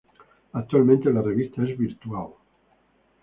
Actualmente la revista es virtual.